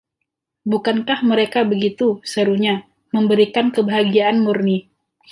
“Bukankah mereka begitu!”, serunya, memberikan kebahagiaan murni.